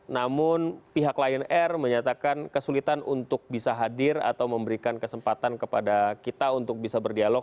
namun pihak lion air menyatakan kesulitan untuk bisa hadir atau memberikan kesempatan kepada kita untuk bisa berdialog